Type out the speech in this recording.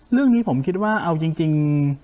เรื่องนี้ผมคิดว่าเอาจริง